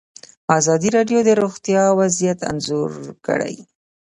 ازادي راډیو د روغتیا وضعیت انځور کړی.